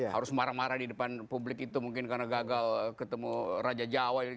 harus marah marah di depan publik itu mungkin karena gagal ketemu raja jawa